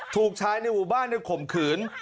ถูกชายในอุบาลในขมขืน